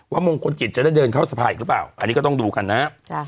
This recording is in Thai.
มงคลกิจจะได้เดินเข้าสภาอีกหรือเปล่าอันนี้ก็ต้องดูกันนะครับ